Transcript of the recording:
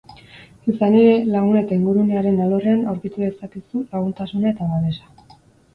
Izan ere, lagun eta ingurunearen alorrean aurkitu dezakezu laguntasuna eta babesa.